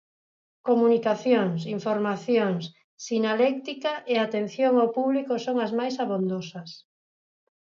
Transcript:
Comunicacións, informacións, sinaléctica e atención ao público son as máis abondosas.